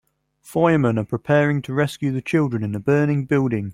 Fireman are preparing to rescue the children in the burning building.